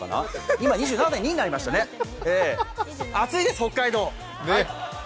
今２７．２になりましたね、暑いです、北海道。